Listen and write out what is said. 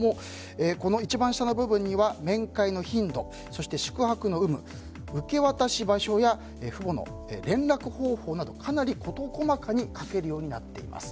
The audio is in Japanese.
この一番下の部分には面会の頻度そして宿泊の有無受け渡し場所や父母の連絡方法などかなり事細かに書けるようになっています。